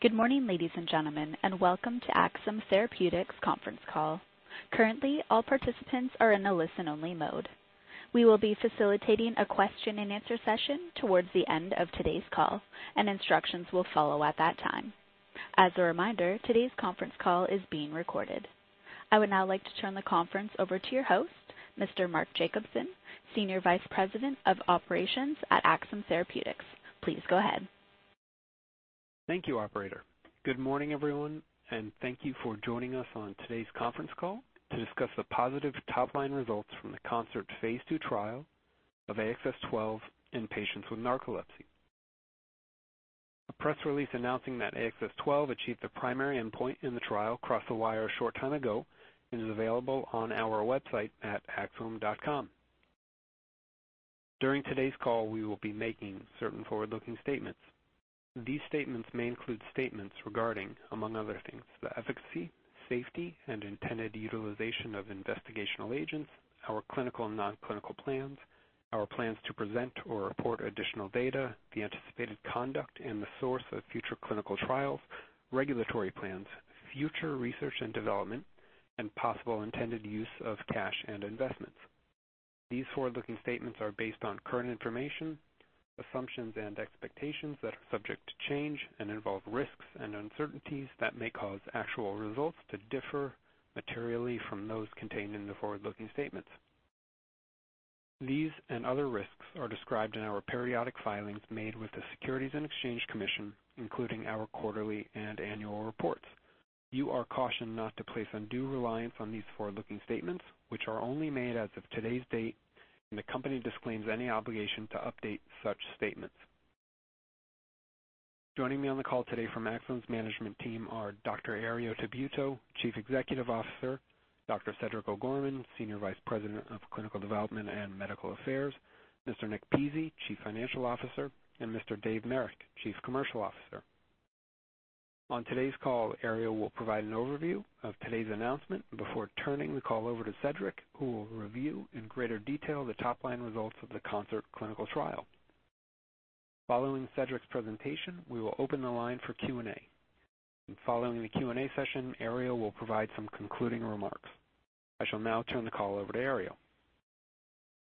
Good morning, ladies and gentlemen, welcome to Axsome Therapeutics' conference call. Currently, all participants are in a listen-only mode. We will be facilitating a question and answer session towards the end of today's call, and instructions will follow at that time. As a reminder, today's conference call is being recorded. I would now like to turn the conference over to your host, Mr. Mark Jacobson, Senior Vice President of Operations at Axsome Therapeutics. Please go ahead. Thank you, operator. Good morning, everyone, thank you for joining us on today's conference call to discuss the positive top-line results from the CONCERT Phase II trial of AXS-12 in patients with narcolepsy. A press release announcing that AXS-12 achieved the primary endpoint in the trial crossed the wire a short time ago and is available on our website at axsome.com. During today's call, we will be making certain forward-looking statements. These statements may include statements regarding, among other things, the efficacy, safety, and intended utilization of investigational agents, our clinical and non-clinical plans, our plans to present or report additional data, the anticipated conduct and the source of future clinical trials, regulatory plans, future research and development, and possible intended use of cash and investments. These forward-looking statements are based on current information, assumptions, and expectations that are subject to change and involve risks and uncertainties that may cause actual results to differ materially from those contained in the forward-looking statements. These and other risks are described in our periodic filings made with the Securities and Exchange Commission, including our quarterly and annual reports. You are cautioned not to place undue reliance on these forward-looking statements, which are only made as of today's date, and the company disclaims any obligation to update such statements. Joining me on the call today from Axsome's management team are Dr. Herriot Tabuteau, Chief Executive Officer, Dr. Cedric O'Gorman, Senior Vice President of Clinical Development and Medical Affairs, Mr. Nick Pizzie, Chief Financial Officer, and Mr. Dave Marek, Chief Commercial Officer. On today's call, Herriot will provide an overview of today's announcement before turning the call over to Cedric, who will review in greater detail the top-line results of the CONCERT clinical trial. Following Cedric's presentation, we will open the line for Q&A. Following the Q&A session, Herriot will provide some concluding remarks. I shall now turn the call over to Herriot.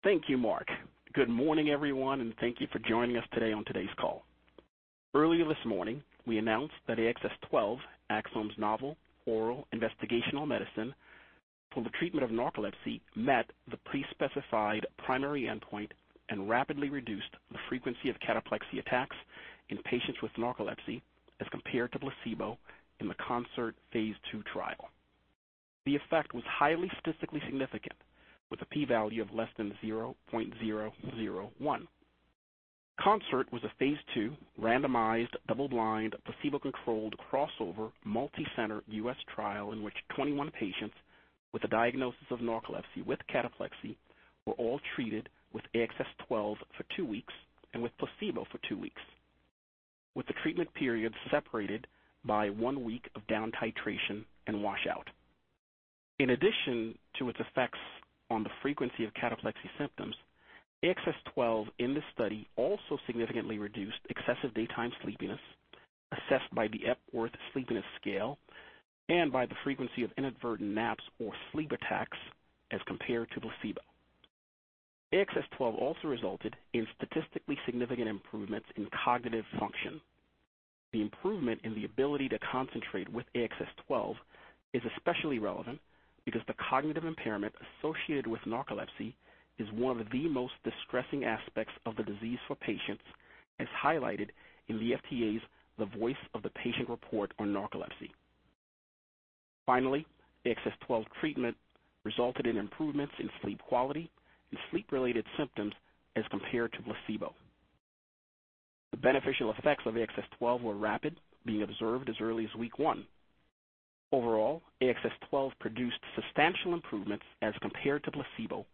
Thank you, Mark. Good morning, everyone, and thank you for joining us today on today's call. Earlier this morning, we announced that AXS-12, Axsome's novel oral investigational medicine for the treatment of narcolepsy, met the pre-specified primary endpoint and rapidly reduced the frequency of cataplexy attacks in patients with narcolepsy as compared to placebo in the CONCERT Phase II trial. The effect was highly statistically significant with a P value of less than 0.001. CONCERT was a Phase II randomized, double-blind, placebo-controlled, crossover, multi-center U.S. trial in which 21 patients with a diagnosis of narcolepsy with cataplexy were all treated with AXS-12 for two weeks and with placebo for two weeks, with the treatment period separated by one week of down titration and washout. In addition to its effects on the frequency of cataplexy symptoms, AXS-12 in this study also significantly reduced excessive daytime sleepiness, assessed by the Epworth Sleepiness Scale and by the frequency of inadvertent naps or sleep attacks as compared to placebo. AXS-12 also resulted in statistically significant improvements in cognitive function. The improvement in the ability to concentrate with AXS-12 is especially relevant because the cognitive impairment associated with narcolepsy is one of the most distressing aspects of the disease for patients, as highlighted in the FDA's The Voice of the Patient Report on Narcolepsy. Finally, AXS-12 treatment resulted in improvements in sleep quality and sleep-related symptoms as compared to placebo. The beneficial effects of AXS-12 were rapid, being observed as early as week one. Overall, AXS-12 produced substantial improvements as compared to placebo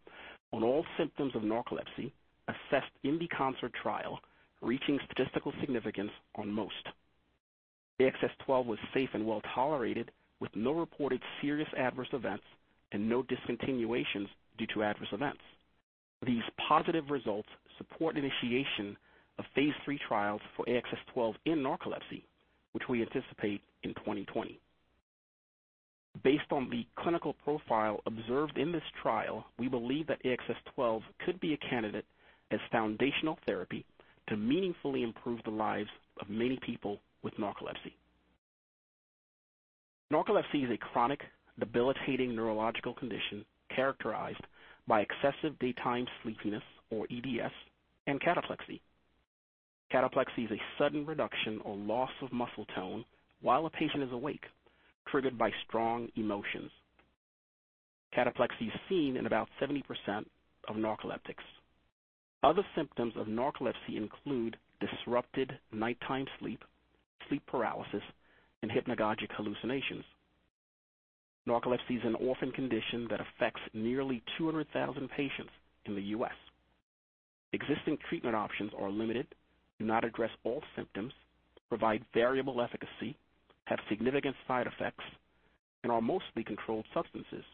on all symptoms of narcolepsy assessed in the CONCERT trial, reaching statistical significance on most. AXS-12 was safe and well-tolerated, with no reported serious adverse events and no discontinuations due to adverse events. These positive results support initiation of Phase III trials for AXS-12 in narcolepsy, which we anticipate in 2020. Based on the clinical profile observed in this trial, we believe that AXS-12 could be a candidate as foundational therapy to meaningfully improve the lives of many people with narcolepsy. Narcolepsy is a chronic, debilitating neurological condition characterized by excessive daytime sleepiness, or EDS, and cataplexy. Cataplexy is a sudden reduction or loss of muscle tone while a patient is awake, triggered by strong emotions. Cataplexy is seen in about 70% of narcoleptics. Other symptoms of narcolepsy include disrupted nighttime sleep paralysis, and hypnagogic hallucinations. Narcolepsy is an orphan condition that affects nearly 200,000 patients in the U.S. Existing treatment options are limited, do not address all symptoms, provide variable efficacy, have significant side effects, and are mostly controlled substances.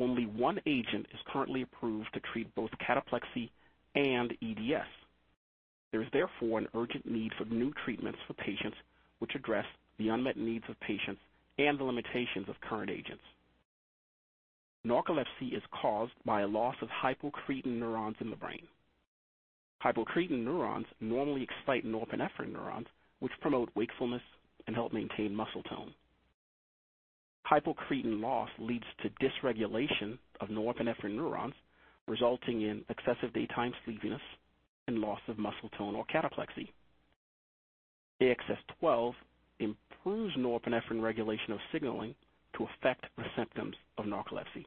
Only one agent is currently approved to treat both cataplexy and EDS. There is therefore an urgent need for new treatments for patients, which address the unmet needs of patients and the limitations of current agents. Narcolepsy is caused by a loss of hypocretin neurons in the brain. Hypocretin neurons normally excite norepinephrine neurons, which promote wakefulness and help maintain muscle tone. Hypocretin loss leads to dysregulation of norepinephrine neurons, resulting in excessive daytime sleepiness and loss of muscle tone or cataplexy. AXS-12 improves norepinephrine regulation of signaling to affect the symptoms of narcolepsy.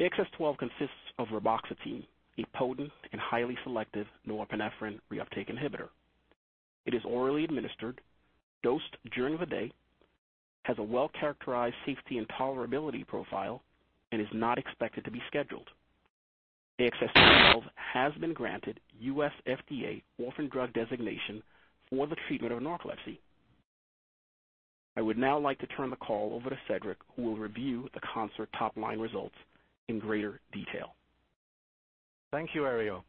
AXS-12 consists of reboxetine, a potent and highly selective norepinephrine reuptake inhibitor. It is orally administered, dosed during the day, has a well-characterized safety and tolerability profile, and is not expected to be scheduled. AXS-12 has been granted U.S. FDA orphan drug designation for the treatment of narcolepsy. I would now like to turn the call over to Cedric, who will review the CONCERT top-line results in greater detail. Thank you, Herriot.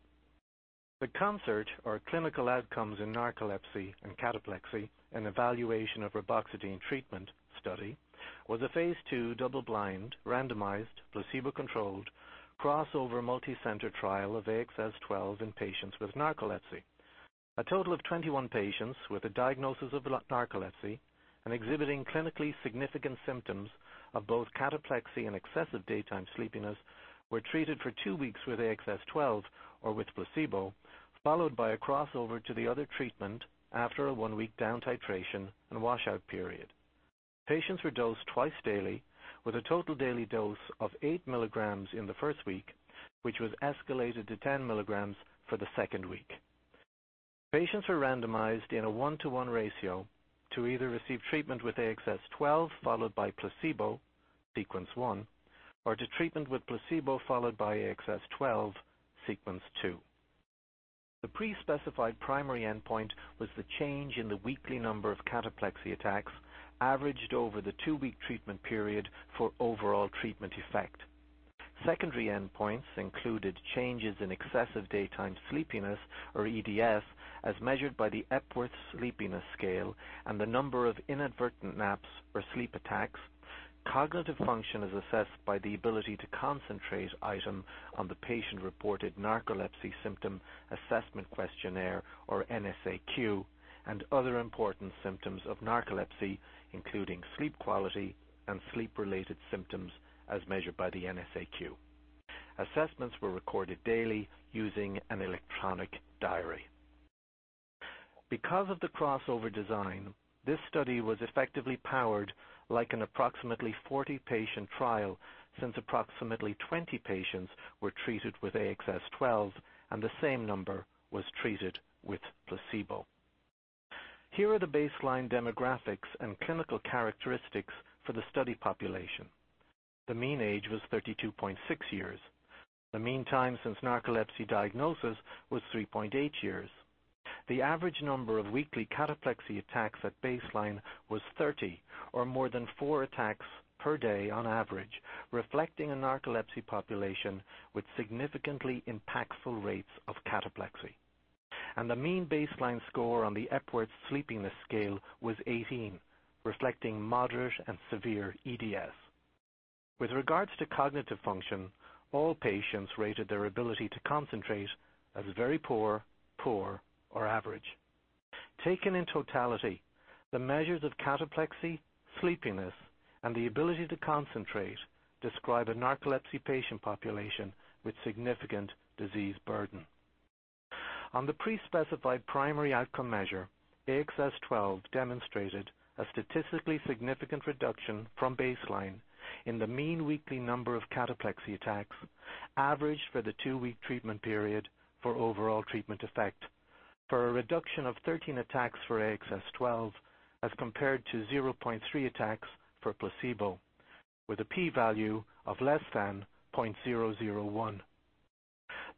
The CONCERT, or Clinical Outcomes in Narcolepsy and Cataplexy: An Evaluation of Reboxetine Treatment study, was a phase II double-blind, randomized, placebo-controlled, cross-over, multi-center trial of AXS-12 in patients with narcolepsy. A total of 21 patients with a diagnosis of narcolepsy and exhibiting clinically significant symptoms of both cataplexy and excessive daytime sleepiness were treated for two weeks with AXS-12 or with placebo, followed by a crossover to the other treatment after a one-week down-titration and washout period. Patients were dosed twice daily with a total daily dose of eight milligrams in the first week, which was escalated to 10 milligrams for the second week. Patients were randomized in a one-to-one ratio to either receive treatment with AXS-12 followed by placebo, sequence one, or to treatment with placebo followed by AXS-12, sequence two. The pre-specified primary endpoint was the change in the weekly number of cataplexy attacks averaged over the two-week treatment period for overall treatment effect. Secondary endpoints included changes in excessive daytime sleepiness, or EDS, as measured by the Epworth Sleepiness Scale and the number of inadvertent naps or sleep attacks. Cognitive function is assessed by the ability to concentrate item on the patient-reported Narcolepsy Symptom Assessment Questionnaire, or NSAQ, and other important symptoms of narcolepsy, including sleep quality and sleep-related symptoms as measured by the NSAQ. Assessments were recorded daily using an electronic diary. Because of the crossover design, this study was effectively powered like an approximately 40-patient trial, since approximately 20 patients were treated with AXS-12 and the same number was treated with placebo. Here are the baseline demographics and clinical characteristics for the study population. The mean age was 32.6 years. The mean time since narcolepsy diagnosis was 3.8 years. The average number of weekly cataplexy attacks at baseline was 30, or more than four attacks per day on average, reflecting a narcolepsy population with significantly impactful rates of cataplexy. The mean baseline score on the Epworth Sleepiness Scale was 18, reflecting moderate and severe EDS. With regards to cognitive function, all patients rated their ability to concentrate as very poor, or average. Taken in totality, the measures of cataplexy, sleepiness, and the ability to concentrate describe a narcolepsy patient population with significant disease burden. On the pre-specified primary outcome measure, AXS-12 demonstrated a statistically significant reduction from baseline in the mean weekly number of cataplexy attacks, averaged for the two-week treatment period for overall treatment effect, for a reduction of 13 attacks for AXS-12 as compared to 0.3 attacks for placebo, with a p-value of less than 0.001.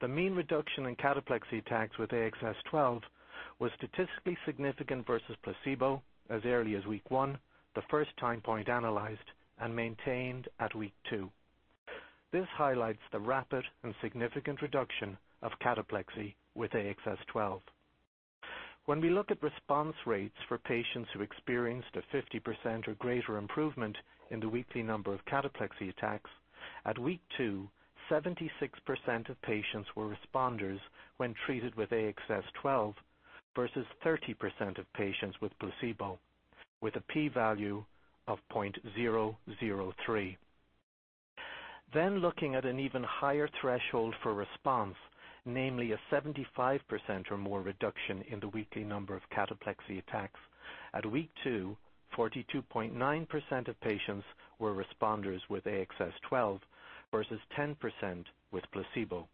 The mean reduction in cataplexy attacks with AXS-12 was statistically significant versus placebo as early as week one, the first time point analyzed, and maintained at week two. This highlights the rapid and significant reduction of cataplexy with AXS-12. When we look at response rates for patients who experienced a 50% or greater improvement in the weekly number of cataplexy attacks, at week two, 76% of patients were responders when treated with AXS-12 versus 30% of patients with placebo, with a p-value of 0.003. Looking at an even higher threshold for response, namely a 75% or more reduction in the weekly number of cataplexy attacks, at week two, 42.9% of patients were responders with AXS-12 versus 10% with placebo,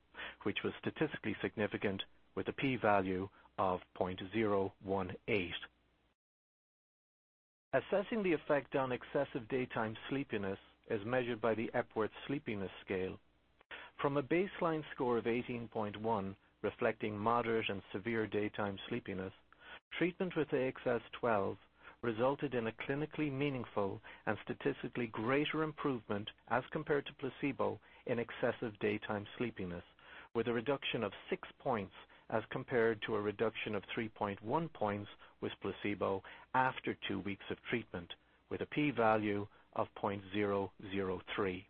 which was statistically significant with a p-value of 0.018. Assessing the effect on excessive daytime sleepiness, as measured by the Epworth Sleepiness Scale. From a baseline score of 18.1, reflecting moderate and severe daytime sleepiness, treatment with AXS-12 resulted in a clinically meaningful and statistically greater improvement as compared to placebo in excessive daytime sleepiness, with a reduction of six points as compared to a reduction of 3.1 points with placebo after two weeks of treatment, with a p-value of 0.003.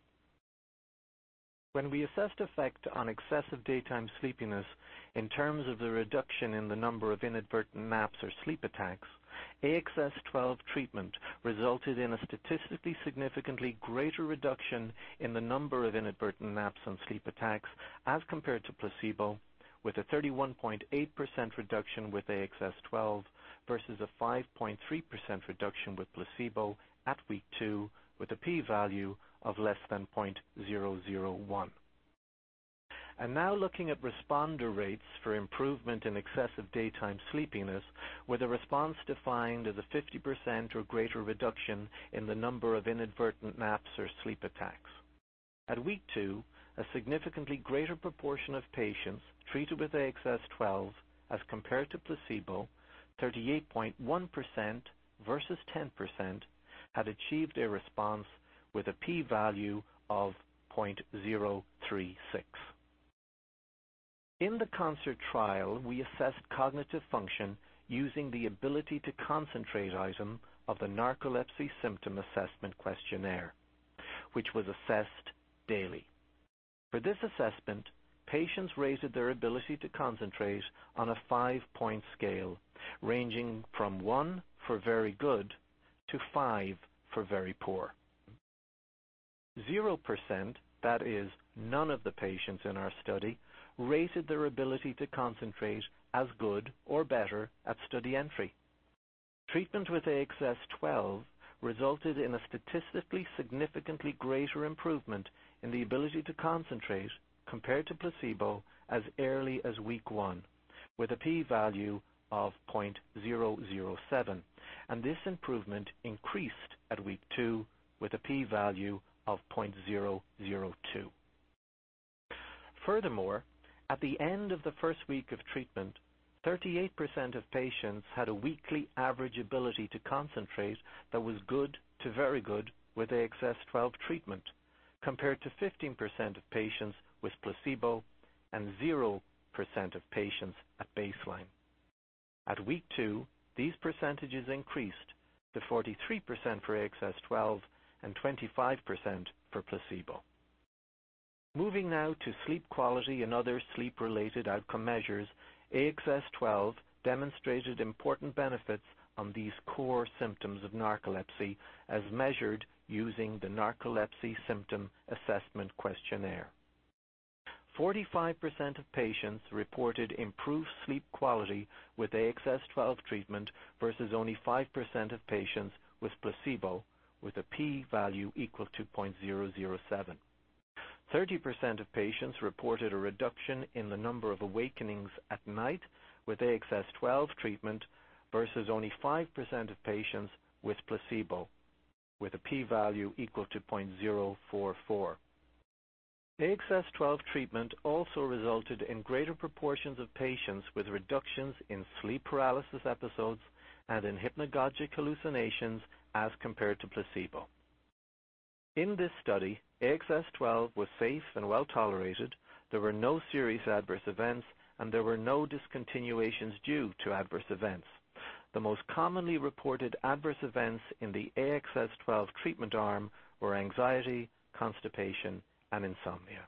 When we assessed effect on excessive daytime sleepiness in terms of the reduction in the number of inadvertent naps or sleep attacks, AXS-12 treatment resulted in a statistically significantly greater reduction in the number of inadvertent naps and sleep attacks as compared to placebo, with a 31.8% reduction with AXS-12 versus a 5.3% reduction with placebo at week two, with a p-value of less than 0.001. Now looking at responder rates for improvement in excessive daytime sleepiness with a response defined as a 50% or greater reduction in the number of inadvertent naps or sleep attacks. At week two, a significantly greater proportion of patients treated with AXS-12 as compared to placebo, 38.1% versus 10%, had achieved a response with a p-value of 0.036. In the CONCERT trial, we assessed cognitive function using the ability to concentrate item of the Narcolepsy Symptom Assessment Questionnaire, which was assessed daily. For this assessment, patients rated their ability to concentrate on a five-point scale ranging from one for very good to five for very poor. 0%, that is, none of the patients in our study, rated their ability to concentrate as good or better at study entry. Treatment with AXS-12 resulted in a statistically significantly greater improvement in the ability to concentrate compared to placebo as early as week 1, with a p-value of 0.007, and this improvement increased at week 2 with a p-value of 0.002. Furthermore, at the end of the first week of treatment, 38% of patients had a weekly average ability to concentrate that was good to very good with AXS-12 treatment, compared to 15% of patients with placebo and 0% of patients at baseline. At week 2, these percentages increased to 43% for AXS-12 and 25% for placebo. Moving now to sleep quality and other sleep-related outcome measures, AXS-12 demonstrated important benefits on these core symptoms of narcolepsy, as measured using the Narcolepsy Symptom Assessment Questionnaire. 45% of patients reported improved sleep quality with AXS-12 treatment, versus only 5% of patients with placebo, with a p-value equal to 0.007. 30% of patients reported a reduction in the number of awakenings at night with AXS-12 treatment, versus only 5% of patients with placebo, with a p-value equal to 0.044. AXS-12 treatment also resulted in greater proportions of patients with reductions in sleep paralysis episodes and in hypnagogic hallucinations as compared to placebo. In this study, AXS-12 was safe and well-tolerated. There were no serious adverse events, and there were no discontinuations due to adverse events. The most commonly reported adverse events in the AXS-12 treatment arm were anxiety, constipation, and insomnia.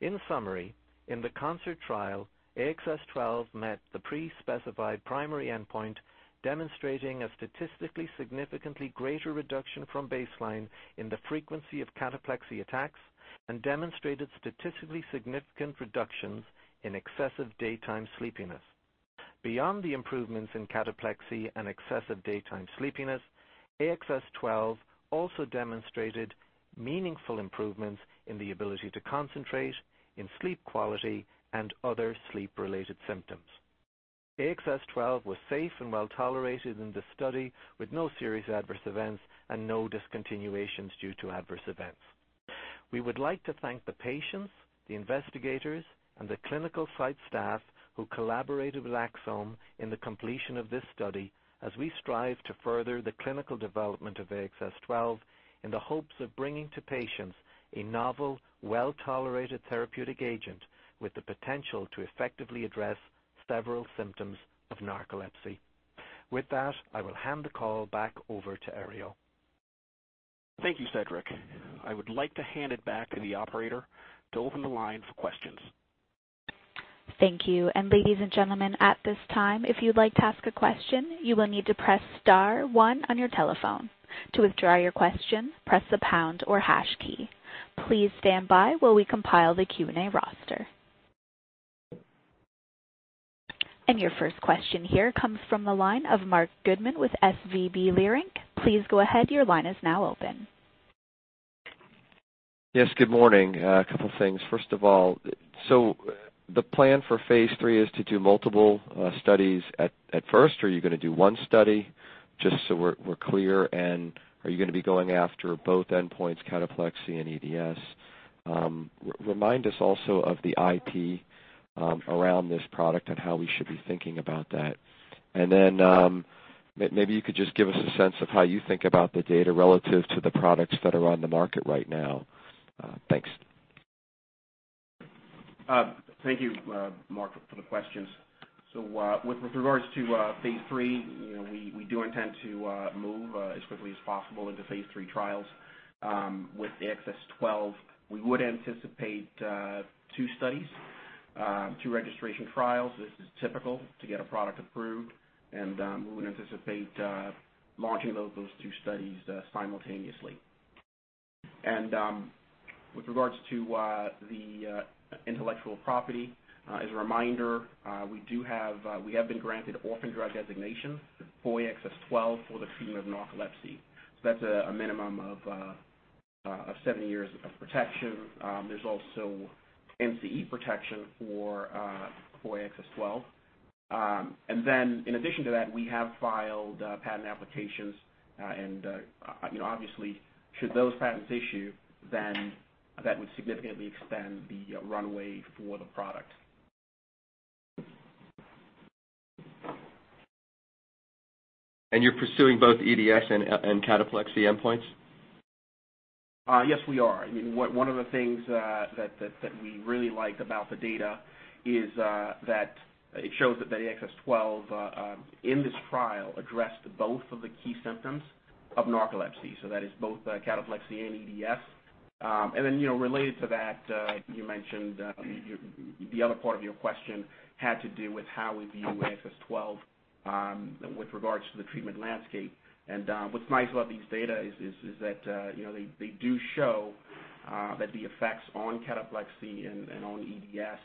In summary, in the CONCERT trial, AXS-12 met the pre-specified primary endpoint, demonstrating a statistically significantly greater reduction from baseline in the frequency of cataplexy attacks and demonstrated statistically significant reductions in excessive daytime sleepiness. Beyond the improvements in cataplexy and excessive daytime sleepiness, AXS-12 also demonstrated meaningful improvements in the ability to concentrate, in sleep quality, and other sleep-related symptoms. AXS-12 was safe and well-tolerated in the study, with no serious adverse events and no discontinuations due to adverse events. We would like to thank the patients, the investigators, and the clinical site staff who collaborated with Axsome in the completion of this study as we strive to further the clinical development of AXS-12 in the hopes of bringing to patients a novel, well-tolerated therapeutic agent with the potential to effectively address several symptoms of narcolepsy. With that, I will hand the call back over to Ariel. Thank you, Cedric. I would like to hand it back to the operator to open the line for questions. Thank you. Ladies and gentlemen, at this time, if you'd like to ask a question, you will need to press star one on your telephone. To withdraw your question, press the pound or hash key. Please stand by while we compile the Q&A roster. Your first question here comes from the line of Marc Goodman with SVB Leerink. Please go ahead. Your line is now open. Yes, good morning. A couple things. First of all. The plan for phase III is to do multiple studies at first, or are you going to do one study? Just so we're clear, are you going to be going after both endpoints, cataplexy and EDS? Remind us also of the IP around this product and how we should be thinking about that. Maybe you could just give us a sense of how you think about the data relative to the products that are on the market right now. Thanks. Thank you, Marc, for the questions. With regards to phase III, we do intend to move as quickly as possible into phase III trials. With the AXS-12, we would anticipate two studies, two registration trials. This is typical to get a product approved, we would anticipate launching those two studies simultaneously. With regards to the intellectual property, as a reminder, we have been granted orphan drug designation for AXS-12 for the treatment of narcolepsy. That's a minimum of seven years of protection. There's also NCE protection for AXS-12. In addition to that, we have filed patent applications, and obviously, should those patents issue, that would significantly extend the runway for the product. You're pursuing both EDS and cataplexy endpoints? Yes, we are. One of the things that we really like about the data is that it shows that the AXS-12 in this trial addressed both of the key symptoms of narcolepsy. That is both cataplexy and EDS. Related to that, you mentioned the other part of your question had to do with how we view AXS-12 with regards to the treatment landscape. What's nice about these data is that they do show that the effects on cataplexy and on EDS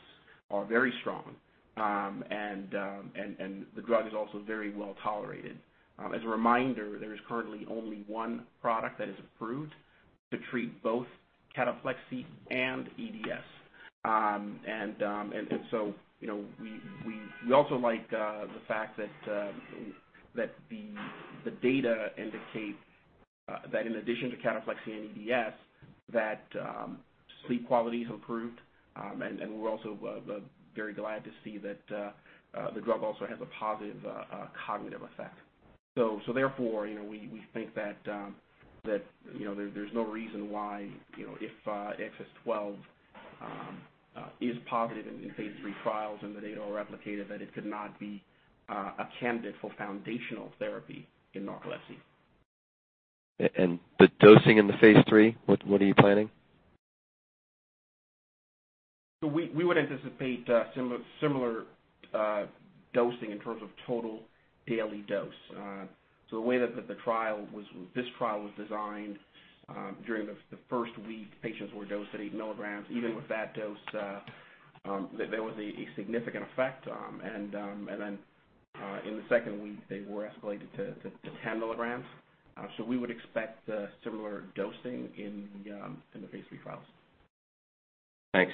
are very strong. The drug is also very well-tolerated. As a reminder, there is currently only one product that is approved to treat both cataplexy and EDS. We also like the fact that the data indicate that in addition to cataplexy and EDS, that sleep quality is improved. We're also very glad to see that the drug also has a positive cognitive effect. Therefore, we think that there's no reason why, if AXS-12 is positive in phase III trials and the data are replicated, that it could not be a candidate for foundational therapy in narcolepsy. The dosing in the phase III, what are you planning? We would anticipate similar dosing in terms of total daily dose. The way that this trial was designed, during the first week, patients were dosed at eight milligrams. Even with that dose, there was a significant effect. In the second week, they were escalated to 10 milligrams. We would expect similar dosing in the phase III trials. Thanks.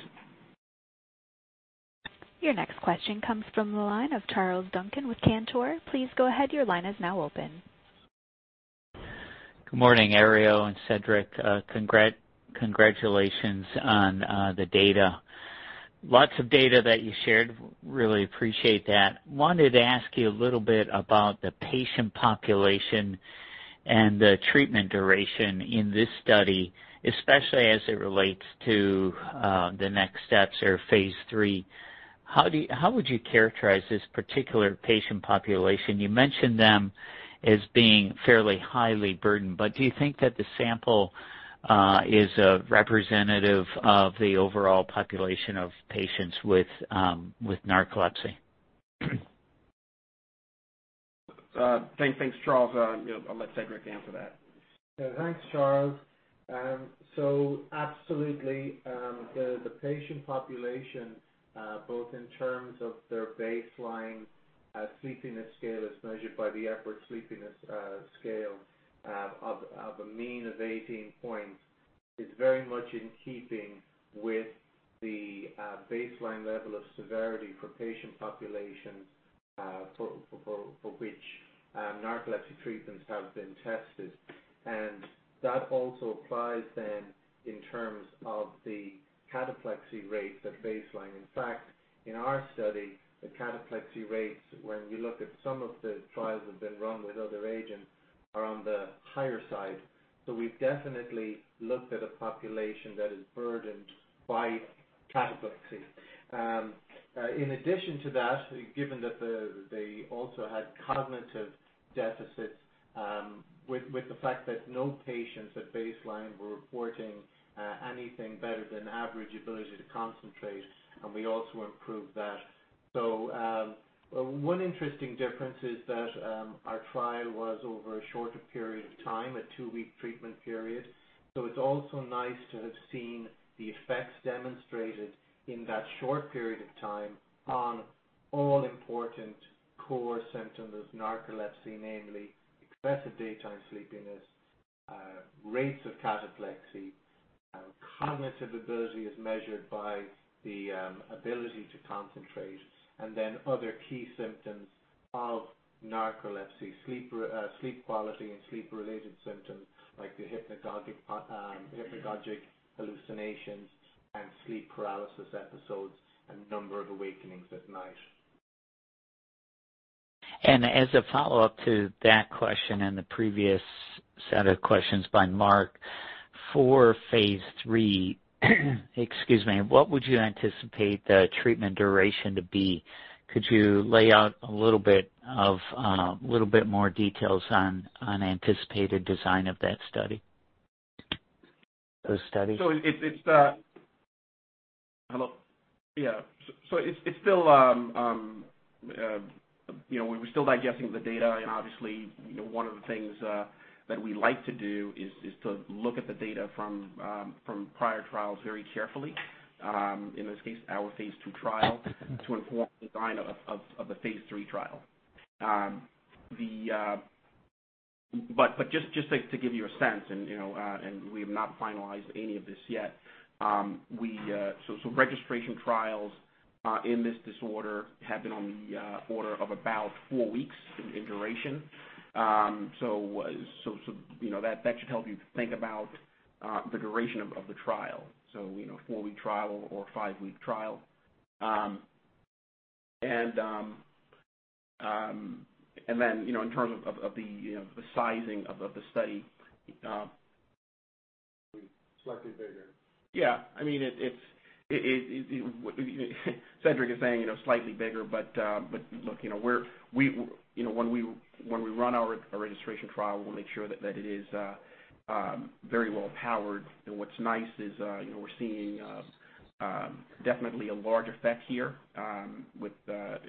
Your next question comes from the line of Charles Duncan with Cantor. Please go ahead. Your line is now open. Good morning, Ariel and Cedric. Congratulations on the data. Lots of data that you shared. Really appreciate that. Wanted to ask you a little bit about the patient population and the treatment duration in this study, especially as it relates to the next steps or phase III. How would you characterize this particular patient population? You mentioned them as being fairly highly burdened, but do you think that the sample is representative of the overall population of patients with narcolepsy? Thanks, Charles. I'll let Cedric answer that. Thanks, Charles. Absolutely. The patient population, both in terms of their baseline sleepiness scale as measured by the Epworth Sleepiness Scale of a mean of 18 points, is very much in keeping with the baseline level of severity for patient populations for which narcolepsy treatments have been tested. That also applies then in terms of the cataplexy rates at baseline. In fact, in our study, the cataplexy rates, when you look at some of the trials that have been run with other agents, are on the higher side. We've definitely looked at a population that is burdened by cataplexy. In addition to that, given that they also had cognitive deficits, with the fact that no patients at baseline were reporting anything better than average ability to concentrate, and we also improved that. One interesting difference is that our trial was over a shorter period of time, a two-week treatment period. It's also nice to have seen the effects demonstrated in that short period of time on all important core symptoms of narcolepsy, namely excessive daytime sleepiness, rates of cataplexy. Cognitive ability is measured by the ability to concentrate, other key symptoms of narcolepsy, sleep quality, and sleep-related symptoms like the hypnagogic hallucinations and sleep paralysis episodes, and number of awakenings at night. As a follow-up to that question and the previous set of questions by Marc, for phase III, excuse me, what would you anticipate the treatment duration to be? Could you lay out a little bit more details on anticipated design of those studies? Hello. Yeah. We're still digesting the data, obviously, one of the things that we like to do is to look at the data from prior trials very carefully, in this case, our phase II trial, to inform the design of the phase III trial. Just to give you a sense, we have not finalized any of this yet, registration trials in this disorder have been on the order of about four weeks in duration. That should help you think about the duration of the trial. A four-week trial or five-week trial. In terms of the sizing of the study. Slightly bigger. Yeah. Cedric is saying slightly bigger, look, when we run our registration trial, we'll make sure that it is very well-powered. What's nice is we're seeing definitely a large effect here with a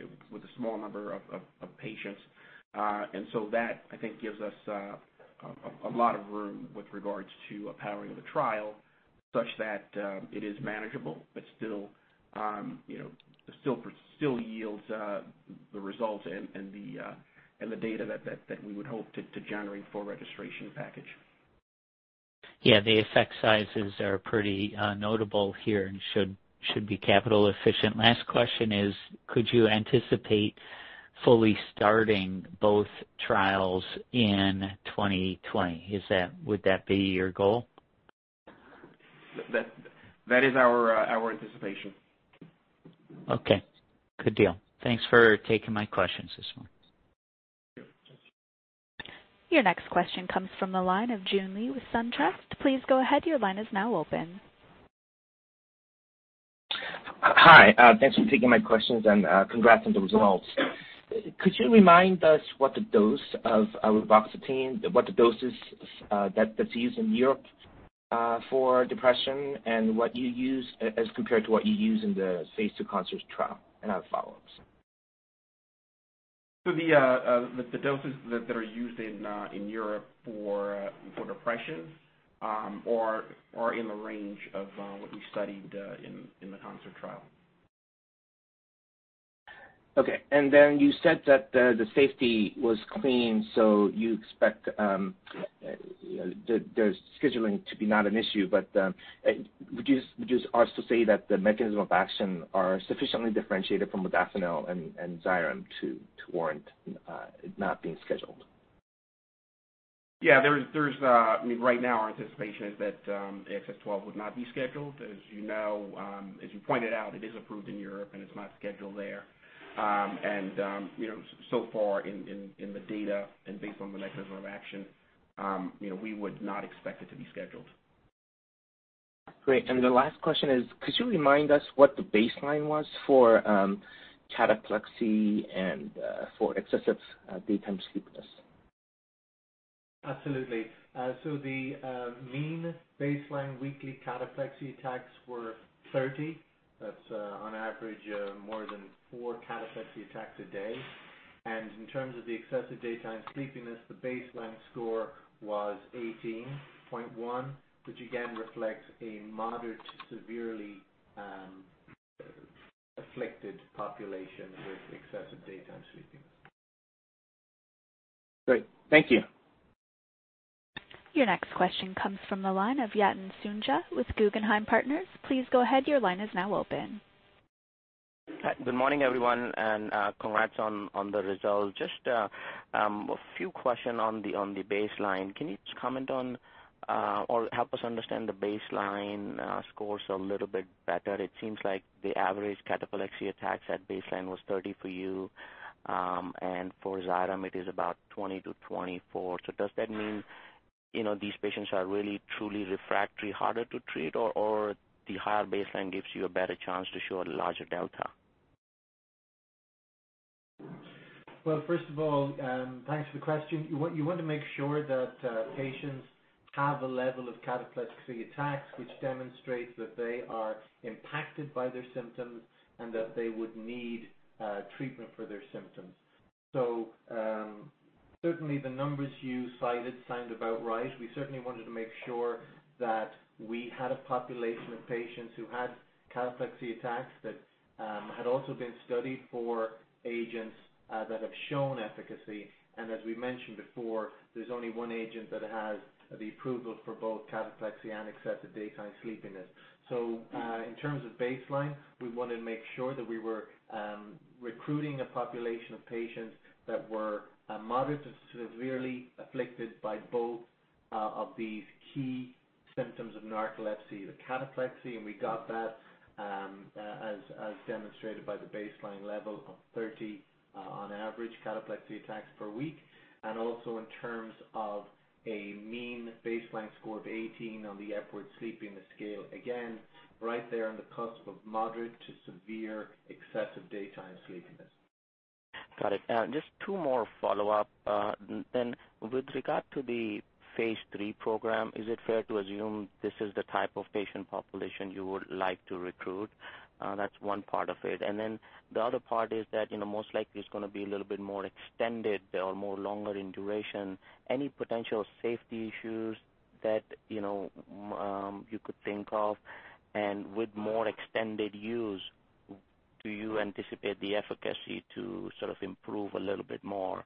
small number of patients. That, I think, gives us a lot of room with regards to a powering of the trial such that it is manageable but still yields the results and the data that we would hope to generate for a registration package. Yeah, the effect sizes are pretty notable here and should be capital efficient. Last question is, could you anticipate fully starting both trials in 2020? Would that be your goal? That is our anticipation. Okay. Good deal. Thanks for taking my questions this morning. Thank you. Your next question comes from the line of Joon Lee with SunTrust. Please go ahead. Your line is now open. Hi. Thanks for taking my questions and congrats on the results. Could you remind us what the dose is that's used in Europe for depression and what you use as compared to what you use in the phase II CONCERT trial and other follow-ups? The doses that are used in Europe for depression are in the range of what we studied in the CONCERT trial. Okay. You said that the safety was clean, so you expect the scheduling to be not an issue. Would you also say that the mechanism of action are sufficiently differentiated from modafinil and XYREM to warrant it not being scheduled? Yeah. Right now, our anticipation is that AXS-12 would not be scheduled. As you pointed out, it is approved in Europe, and it's not scheduled there. So far in the data and based on the mechanism of action, we would not expect it to be scheduled. Great. The last question is, could you remind us what the baseline was for cataplexy and for excessive daytime sleepiness? Absolutely. The mean baseline weekly cataplexy attacks were 30. That's on average more than four cataplexy attacks a day. In terms of the excessive daytime sleepiness, the baseline score was 18.1, which again reflects a moderate to severely afflicted population with excessive daytime sleepiness. Great. Thank you. Your next question comes from the line of Yatin Suneja with Guggenheim Partners. Please go ahead. Your line is now open. Hi. Good morning, everyone, congrats on the results. Just a few questions on the baseline. Can you just comment on or help us understand the baseline scores a little bit better? It seems like the average cataplexy attacks at baseline was 30 for you. For XYREM, it is about 20-24. Does that mean these patients are really, truly refractory, harder to treat, or the higher baseline gives you a better chance to show a larger delta? Well, first of all, thanks for the question. You want to make sure that patients have a level of cataplexy attacks which demonstrates that they are impacted by their symptoms and that they would need treatment for their symptoms. Certainly, the numbers you cited sound about right. We certainly wanted to make sure that we had a population of patients who had cataplexy attacks that had also been studied for agents that have shown efficacy. As we mentioned before, there's only one agent that has the approval for both cataplexy and excessive daytime sleepiness. In terms of baseline, we want to make sure that we were recruiting a population of patients that were moderate to severely afflicted by both of these key symptoms of narcolepsy, the cataplexy, and we got that as demonstrated by the baseline level of 30 on average cataplexy attacks per week. Also in terms of a mean baseline score of 18 on the Epworth Sleepiness Scale. Again, right there on the cusp of moderate to severe excessive daytime sleepiness. Got it. Just two more follow-up. With regard to the phase III program, is it fair to assume this is the type of patient population you would like to recruit? That's one part of it. The other part is that most likely it's going to be a little bit more extended or more longer in duration. Any potential safety issues that you could think of? With more extended use, do you anticipate the efficacy to sort of improve a little bit more?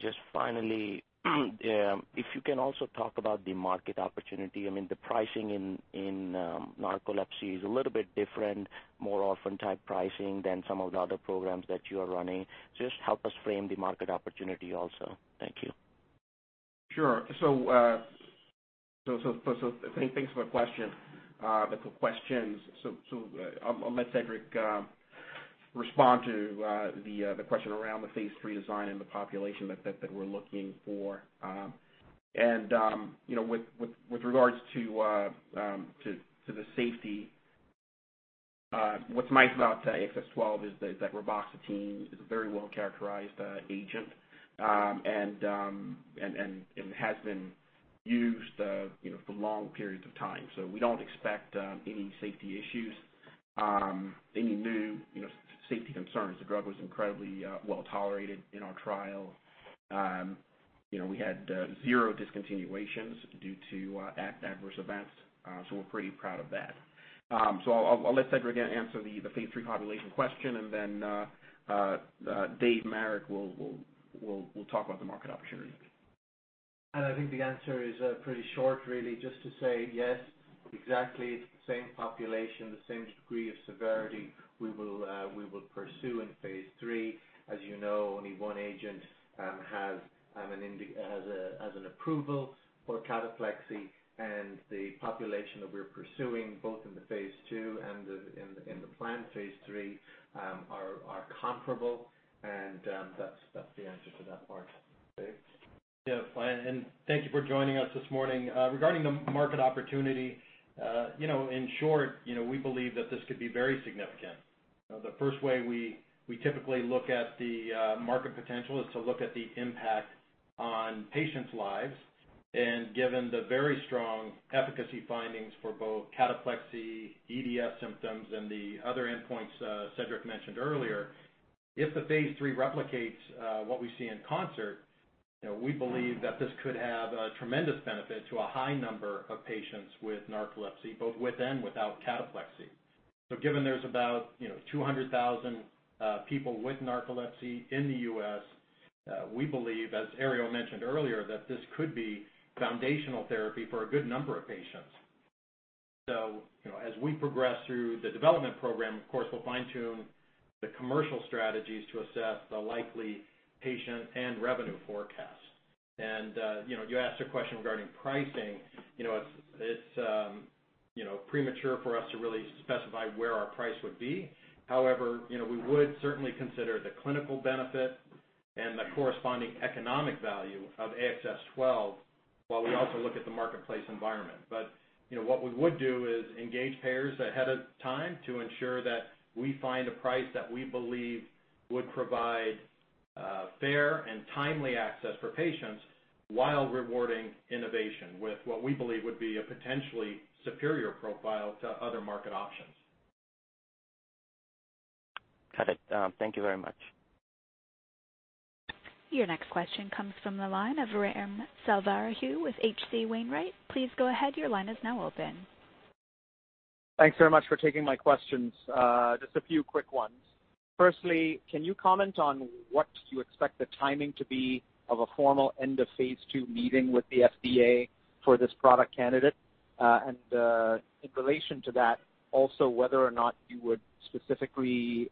Just finally, if you can also talk about the market opportunity. I mean, the pricing in narcolepsy is a little bit different, more orphan type pricing than some of the other programs that you are running. Just help us frame the market opportunity also. Thank you. Sure. Thanks for the questions. I'll let Cedric respond to the question around the phase III design and the population that we're looking for. With regards to the safety, what's nice about AXS-12 is that reboxetine is a very well-characterized agent, and it has been used for long periods of time. We don't expect any safety issues, any new safety concerns. The drug was incredibly well-tolerated in our trial. We had zero discontinuations due to adverse events. We're pretty proud of that. I'll let Cedric answer the phase III population question and then Dave Marek will talk about the market opportunity. I think the answer is pretty short, really, just to say yes, exactly. It's the same population, the same degree of severity we will pursue in phase III. As you know, only one agent has an approval for cataplexy. The population that we're pursuing, both in the phase II and in the planned phase III, are comparable. That's the answer to that part. Dave? Yeah, thank you for joining us this morning. Regarding the market opportunity, in short, we believe that this could be very significant. The first way we typically look at the market potential is to look at the impact on patients' lives. Given the very strong efficacy findings for both cataplexy, EDS symptoms, and the other endpoints Cedric mentioned earlier, if the phase III replicates what we see in CONCERT, we believe that this could have a tremendous benefit to a high number of patients with narcolepsy, both with and without cataplexy. Given there's about 200,000 people with narcolepsy in the U.S., we believe, as Ariel mentioned earlier, that this could be foundational therapy for a good number of patients. As we progress through the development program, of course, we'll fine-tune the commercial strategies to assess the likely patient and revenue forecast. You asked a question regarding pricing. It's premature for us to really specify where our price would be. However, we would certainly consider the clinical benefit and the corresponding economic value of AXS-12 while we also look at the marketplace environment. What we would do is engage payers ahead of time to ensure that we find a price that we believe would provide fair and timely access for patients while rewarding innovation with what we believe would be a potentially superior profile to other market options. Got it. Thank you very much. Your next question comes from the line of Ram Selvaraju with H.C. Wainwright. Please go ahead. Your line is now open. Thanks very much for taking my questions. Just a few quick ones. Firstly, can you comment on what you expect the timing to be of a formal end of phase II meeting with the FDA for this product candidate? In relation to that, also, whether or not you would specifically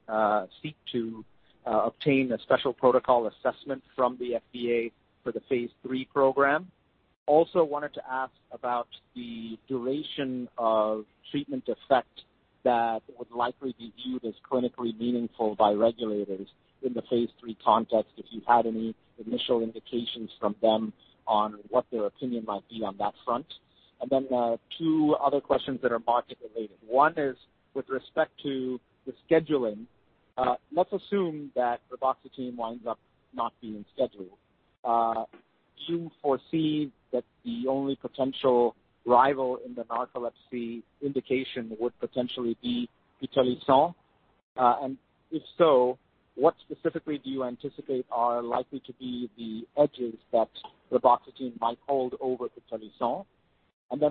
seek to obtain a special protocol assessment from the FDA for the phase III program. Wanted to ask about the duration of treatment effect that would likely be viewed as clinically meaningful by regulators in the phase III context, if you've had any initial indications from them on what their opinion might be on that front. Then two other questions that are market related. One is with respect to the scheduling. Let's assume that reboxetine winds up not being scheduled. Do you foresee that the only potential rival in the narcolepsy indication would potentially be pitolisant? If so, what specifically do you anticipate are likely to be the edges that reboxetine might hold over pitolisant?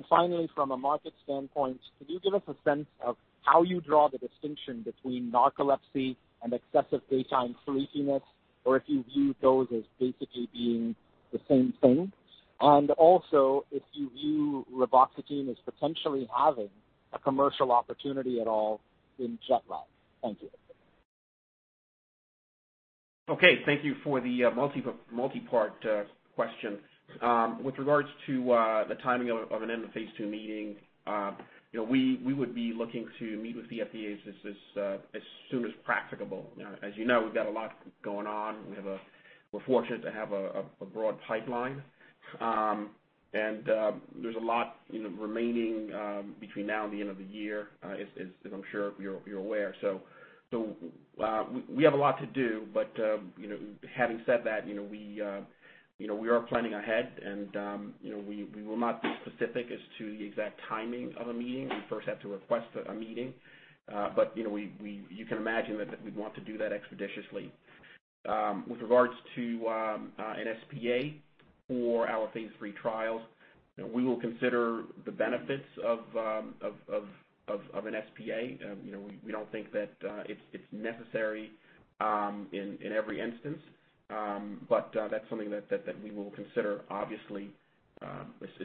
Finally, from a market standpoint, can you give us a sense of how you draw the distinction between narcolepsy and excessive daytime sleepiness, or if you view those as basically being the same thing? Also, if you view reboxetine as potentially having a commercial opportunity at all in jet lag. Thank you. Okay. Thank you for the multi-part question. With regards to the timing of an end-of-phase II meeting, we would be looking to meet with the FDA as soon as practicable. As you know, we've got a lot going on. We're fortunate to have a broad pipeline. There's a lot remaining between now and the end of the year, as I'm sure you're aware. We have a lot to do, but having said that, we are planning ahead and we will not be specific as to the exact timing of a meeting. We first have to request a meeting. You can imagine that we'd want to do that expeditiously. With regards to an SPA for our phase III trials, we will consider the benefits of an SPA. We don't think that it's necessary in every instance. That's something that we will consider, obviously,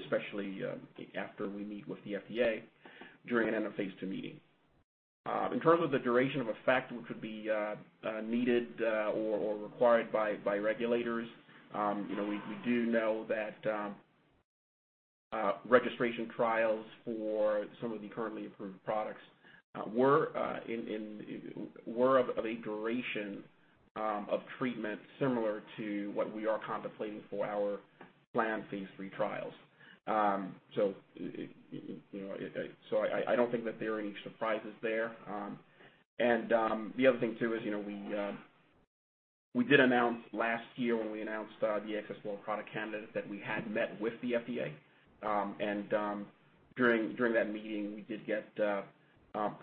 especially after we meet with the FDA during an end-of-phase II meeting. In terms of the duration of effect which would be needed or required by regulators, we do know that registration trials for some of the currently approved products were of a duration of treatment similar to what we are contemplating for our planned phase III trials. I don't think that there are any surprises there. The other thing too is we did announce last year when we announced the AXS-12 product candidate that we had met with the FDA. During that meeting, we did get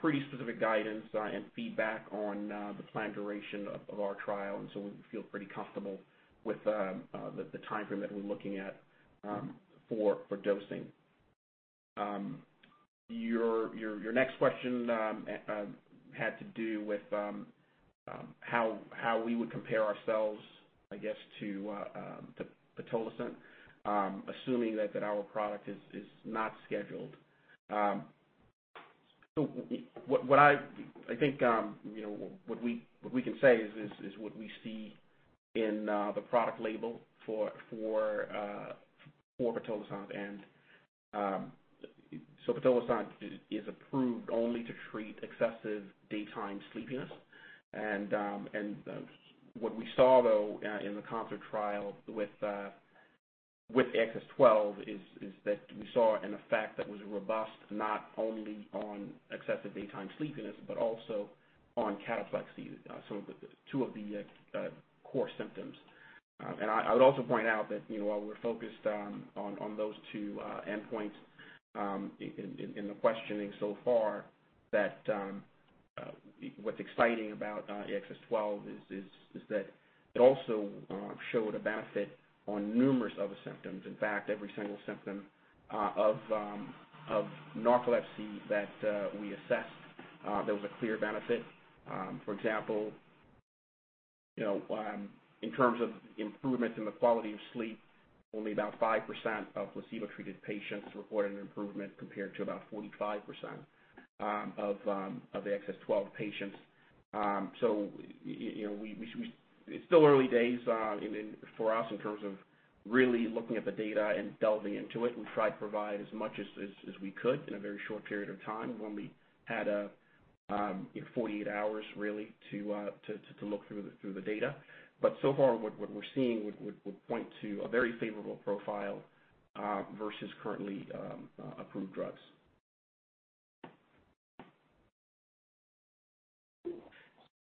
pretty specific guidance and feedback on the planned duration of our trial, and so we feel pretty comfortable with the timeframe that we're looking at for dosing. Your next question had to do with how we would compare ourselves, I guess, to pitolisant, assuming that our product is not scheduled. I think what we can say is what we see in the product label for pitolisant. pitolisant is approved only to treat excessive daytime sleepiness. What we saw, though, in the CONCERT trial with AXS-12, is that we saw an effect that was robust, not only on excessive daytime sleepiness but also on cataplexy, two of the core symptoms. I would also point out that while we're focused on those two endpoints in the questioning so far, what's exciting about AXS-12 is that it also showed a benefit on numerous other symptoms. In fact, every single symptom of narcolepsy that we assessed there was a clear benefit. For example, in terms of improvement in the quality of sleep, only about 5% of placebo-treated patients reported an improvement compared to about 45% of AXS-12 patients. It's still early days for us in terms of really looking at the data and delving into it. We tried to provide as much as we could in a very short period of time when we had 48 hours really to look through the data. So far what we're seeing would point to a very favorable profile versus currently approved drugs.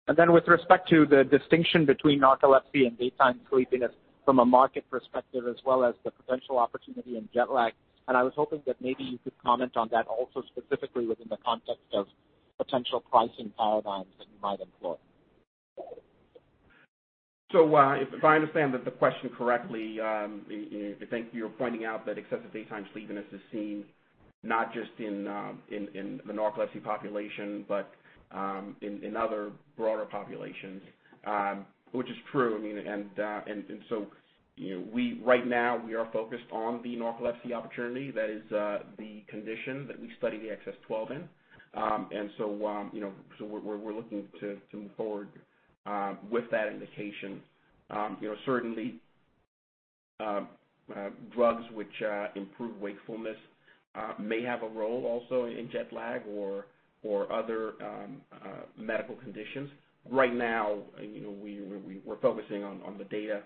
With respect to the distinction between narcolepsy and daytime sleepiness from a market perspective as well as the potential opportunity in jet lag, and I was hoping that maybe you could comment on that also specifically within the context of potential pricing paradigms that you might employ. If I understand the question correctly, I think you're pointing out that excessive daytime sleepiness is seen not just in the narcolepsy population, but in other broader populations. Which is true. Right now, we are focused on the narcolepsy opportunity. That is the condition that we study the AXS-12 in. We're looking to move forward with that indication. Certainly, drugs which improve wakefulness may have a role also in jet lag or other medical conditions. Right now, we're focusing on the data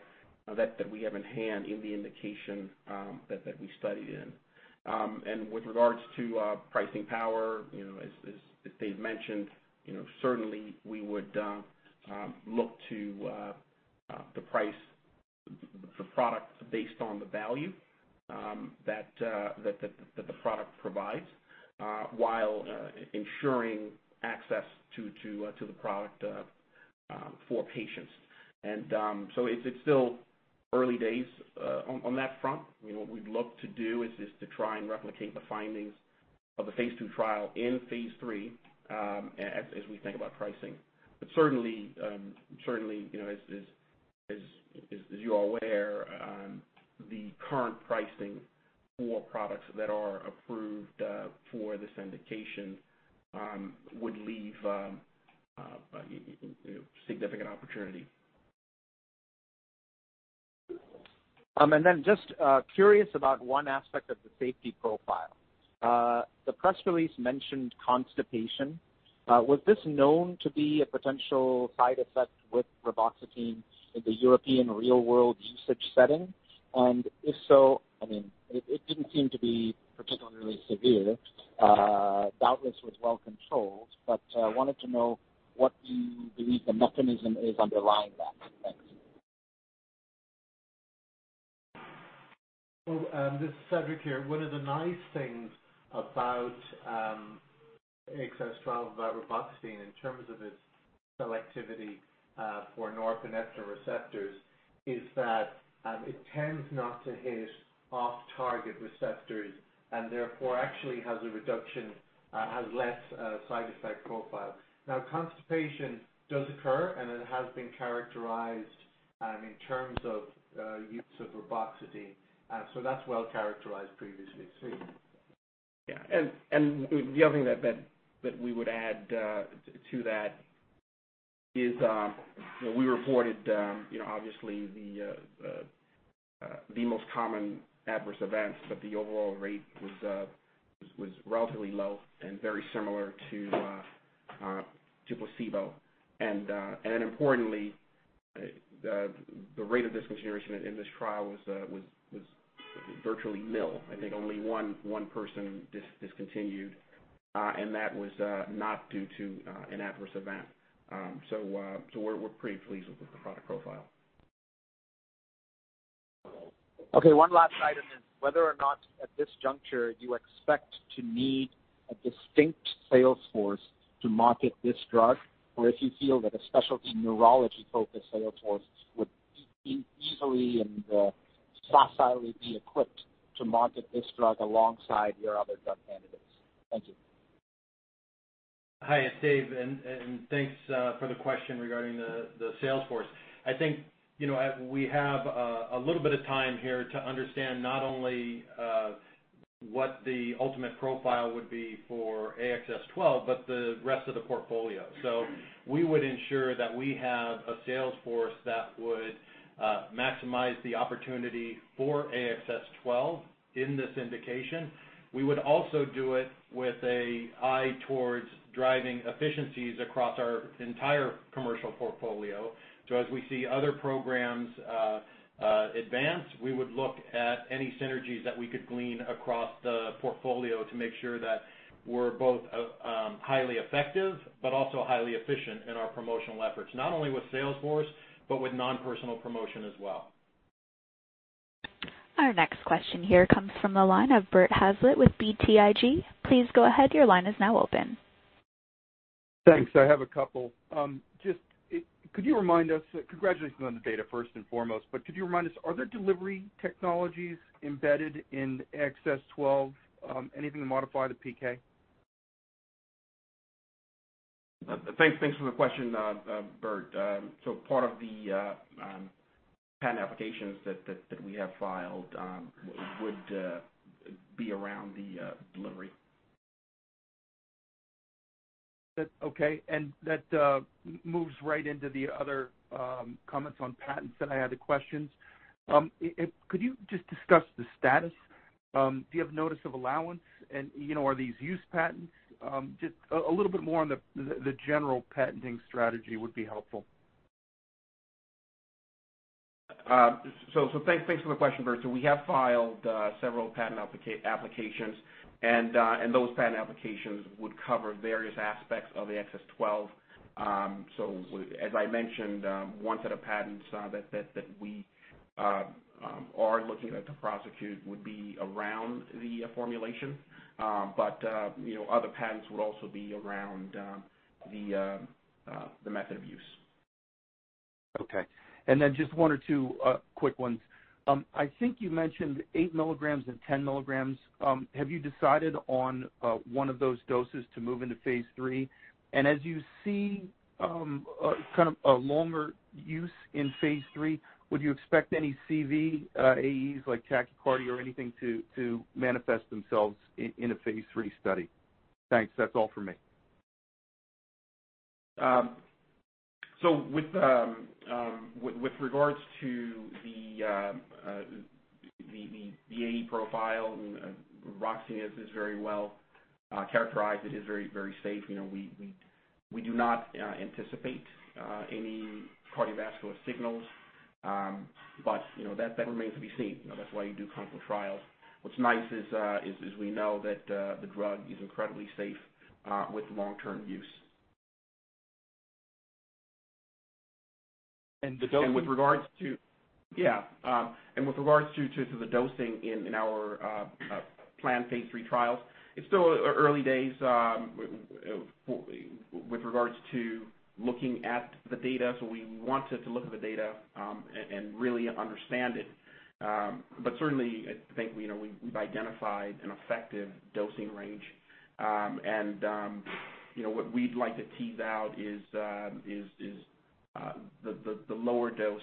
that we have in hand in the indication that we studied in. With regards to pricing power, as Dave mentioned, certainly we would look to the price, the product based on the value that the product provides, while ensuring access to the product for patients. It's still early days on that front. What we'd look to do is to try and replicate the findings of the phase II trial in phase III, as we think about pricing. Certainly, as you're aware, the current pricing for products that are approved for this indication would leave significant opportunity. Then just curious about one aspect of the safety profile. The press release mentioned constipation. Was this known to be a potential side effect with reboxetine in the European real-world usage setting? If so, it didn't seem to be particularly severe, doubtless was well-controlled, but wanted to know what you believe the mechanism is underlying that. Thanks. Well, this is Cedric here. One of the nice things about AXS-12, about reboxetine, in terms of its selectivity for norepinephrine receptors is that it tends not to hit off-target receptors and therefore actually has a reduction, has less side effect profile. Now, constipation does occur, and it has been characterized in terms of use of reboxetine. That's well-characterized previously, so yeah. Yeah. The other thing that we would add to that is we reported obviously the most common adverse events, but the overall rate was relatively low and very similar to placebo. Importantly, the rate of discontinuation in this trial was virtually nil. I think only one person discontinued, and that was not due to an adverse event. We're pretty pleased with the product profile. Okay, one last item is whether or not at this juncture you expect to need a distinct sales force to market this drug, or if you feel that a specialty neurology-focused sales force would easily and tacitly be equipped to market this drug alongside your other drug candidates? Thank you. Hi, it's Dave, and thanks for the question regarding the sales force. I think we have a little bit of time here to understand not only what the ultimate profile would be for AXS-12, but the rest of the portfolio. We would ensure that we have a sales force that would maximize the opportunity for AXS-12 in this indication. We would also do it with an eye towards driving efficiencies across our entire commercial portfolio. As we see other programs advance, we would look at any synergies that we could glean across the portfolio to make sure that we're both highly effective, but also highly efficient in our promotional efforts, not only with sales force, but with non-personal promotion as well. Our next question here comes from the line of Bert Hazlett with BTIG. Please go ahead, your line is now open. Thanks. I have a couple. Congratulations on the data, first and foremost, but could you remind us, are there delivery technologies embedded in AXS-12? Anything to modify the PK? Thanks for the question, Bert. Part of the patent applications that we have filed would be around the delivery. Okay, that moves right into the other comments on patents that I had the questions. Could you just discuss the status? Do you have notice of allowance? Are these use patents? Just a little bit more on the general patenting strategy would be helpful. Thanks for the question, Bert. We have filed several patent applications, and those patent applications would cover various aspects of AXS-12. As I mentioned, one set of patents that we are looking at to prosecute would be around the formulation. Other patents would also be around the method of use. Just one or two quick ones. I think you mentioned eight milligrams and 10 milligrams. Have you decided on one of those doses to move into phase III? As you see a longer use in phase III, would you expect any CV AEs like tachycardia or anything to manifest themselves in a phase III study? Thanks. That's all for me. With regards to the AE profile, reboxetine is very well characterized. It is very safe. We do not anticipate any cardiovascular signals. That remains to be seen. That's why you do clinical trials. What's nice is we know that the drug is incredibly safe with long-term use. And the dosing- With regards to the dosing in our planned phase III trials, it's still early days with regards to looking at the data. We wanted to look at the data and really understand it. Certainly, I think we've identified an effective dosing range. What we'd like to tease out is the lower dose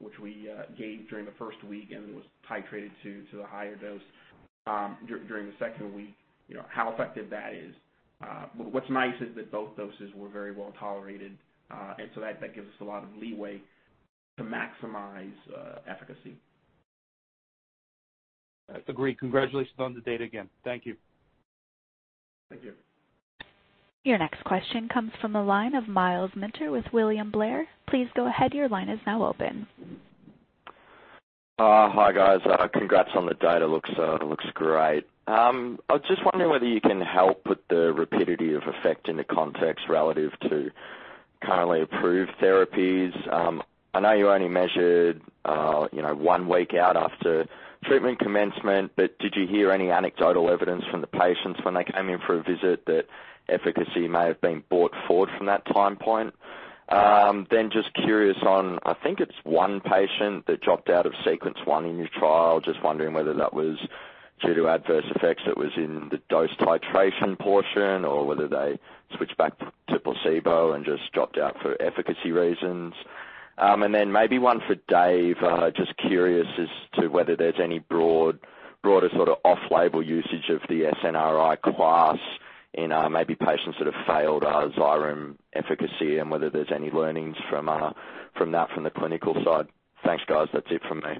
which we gave during the first week and was titrated to the higher dose during the second week, how effective that is. What's nice is that both doses were very well-tolerated. That gives us a lot of leeway to maximize efficacy. Agreed. Congratulations on the data again. Thank you. Thank you. Your next question comes from the line of Myles Minter with William Blair. Please go ahead. Your line is now open. Hi, guys. Congrats on the data. Looks great. I was just wondering whether you can help put the rapidity of effect into context relative to currently approved therapies. I know you only measured one week out after treatment commencement, did you hear any anecdotal evidence from the patients when they came in for a visit that efficacy may have been brought forward from that time point? Just curious on, I think it's one patient that dropped out of sequence one in your trial. Just wondering whether that was due to adverse effects that was in the dose titration portion, or whether they switched back to placebo and just dropped out for efficacy reasons. Then maybe one for Dave, just curious as to whether there's any broader sort of off-label usage of the SNRI class in maybe patients that have failed XYREM efficacy, and whether there's any learnings from that from the clinical side. Thanks, guys. That's it from me.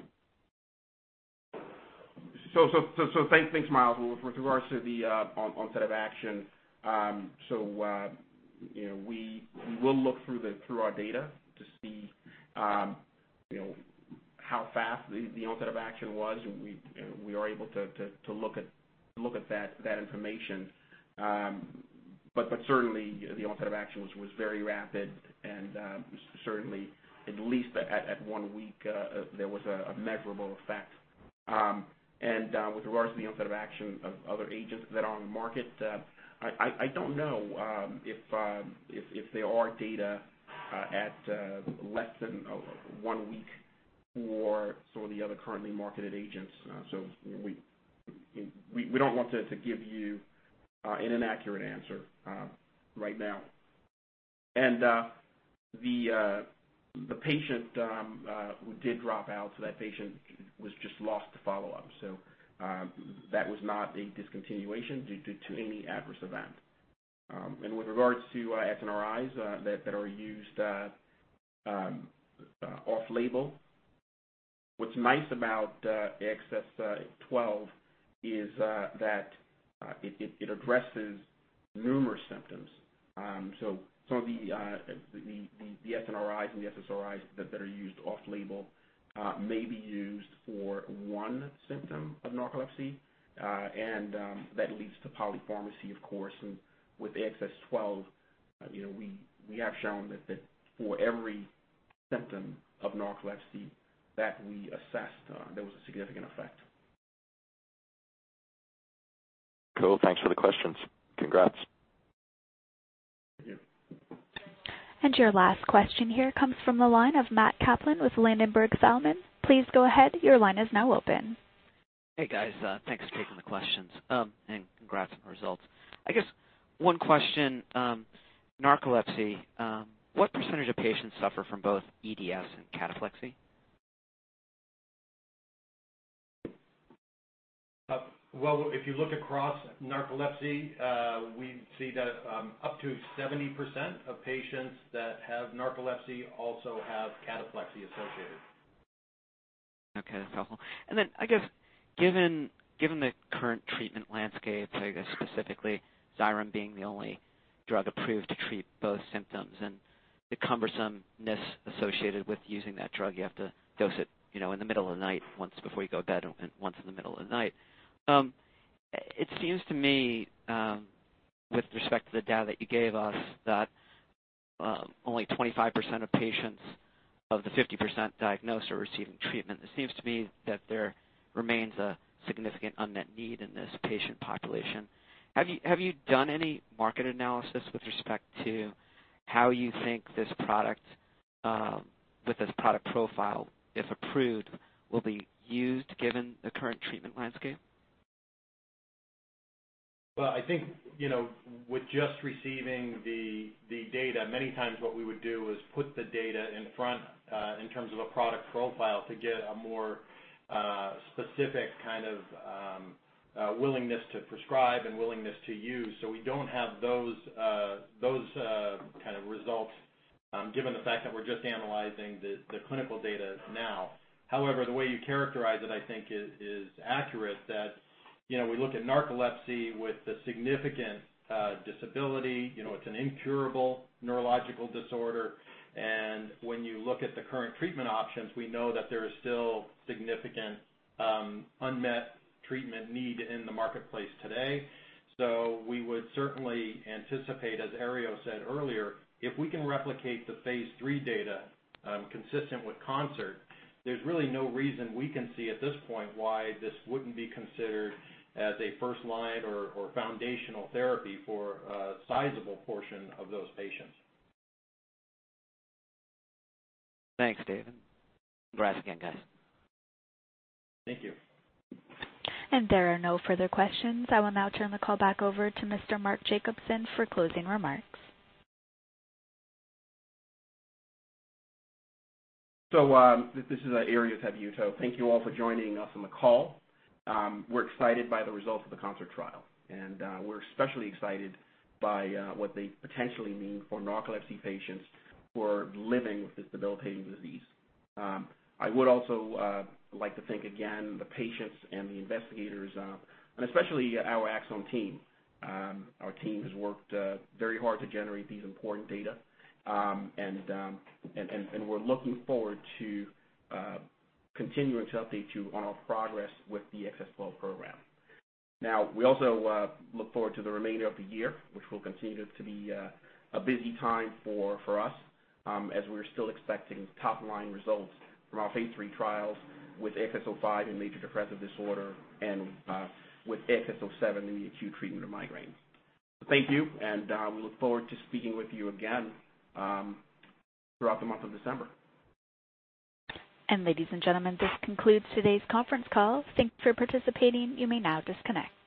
Thanks, Myles. With regards to the onset of action, we will look through our data to see how fast the onset of action was. We are able to look at that information. Certainly, the onset of action was very rapid and certainly at least at one week, there was a measurable effect. With regards to the onset of action of other agents that are on the market, I don't know if there are data at less than one week for some of the other currently marketed agents. We don't want to give you an inaccurate answer right now. The patient who did drop out, so that patient was just lost to follow-up. That was not a discontinuation due to any adverse event. With regards to SNRIs that are used off-label, what's nice about AXS-12 is that it addresses numerous symptoms. Some of the SNRIs and the SSRIs that are used off label may be used for one symptom of narcolepsy, and that leads to polypharmacy, of course. With AXS-12, we have shown that for every symptom of narcolepsy that we assessed, there was a significant effect. Cool. Thanks for the questions. Congrats. Thank you. Your last question here comes from the line of Matt Kaplan with Ladenburg Thalmann. Please go ahead. Your line is now open. Hey, guys. Thanks for taking the questions, and congrats on the results. I guess one question, narcolepsy, what % of patients suffer from both EDS and cataplexy? Well, if you look across narcolepsy, we see that up to 70% of patients that have narcolepsy also have cataplexy associated. Okay. That's helpful. I guess, given the current treatment landscape, I guess specifically XYREM being the only drug approved to treat both symptoms and the cumbersomeness associated with using that drug, you have to dose it in the middle of the night, once before you go to bed and once in the middle of the night. It seems to me, with respect to the data that you gave us, that only 25% of patients of the 50% diagnosed are receiving treatment. It seems to me that there remains a significant unmet need in this patient population. Have you done any market analysis with respect to how you think with this product profile, if approved, will be used given the current treatment landscape? Well, I think, with just receiving the data, many times what we would do is put the data in front in terms of a product profile to get a more specific kind of willingness to prescribe and willingness to use. We don't have those kind of results, given the fact that we're just analyzing the clinical data now. However, the way you characterize it, I think, is accurate. We look at narcolepsy with a significant disability. It's an incurable neurological disorder, and when you look at the current treatment options, we know that there is still significant unmet treatment need in the marketplace today. We would certainly anticipate, as Herriot said earlier, if we can replicate the phase III data consistent with CONCERT, there's really no reason we can see at this point why this wouldn't be considered as a first-line or foundational therapy for a sizable portion of those patients. Thanks, Dave. Brass again, guys. Thank you. There are no further questions. I will now turn the call back over to Mr. Mark Jacobson for closing remarks. This is Herriot Tabuteau. Thank you all for joining us on the call. We're excited by the results of the CONCERT trial, and we're especially excited by what they potentially mean for narcolepsy patients who are living with this debilitating disease. I would also like to thank again the patients and the investigators, and especially our Axsome team. Our team has worked very hard to generate these important data, and we're looking forward to continuing to update you on our progress with the AXS-12 program. We also look forward to the remainder of the year, which will continue to be a busy time for us, as we're still expecting top-line results from our phase III trials with AXS-05 in major depressive disorder and with AXS-07 in the acute treatment of migraines. Thank you, and we look forward to speaking with you again throughout the month of December. Ladies and gentlemen, this concludes today's conference call. Thank you for participating. You may now disconnect.